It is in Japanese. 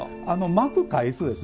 巻く回数です